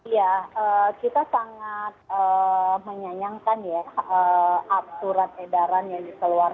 ya kita sangat menyayangkan ya surat edaran yang diseluar